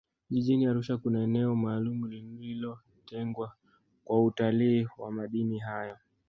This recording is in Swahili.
jijini arusha kuna eneo maalumu lililotengwa kwa utalii wa madini hayo